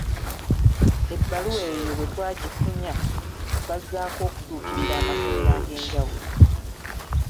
Ebbaluwa eyo bwe twagifunya, twazzaako okutuukirira amasomero ag’enjawulo.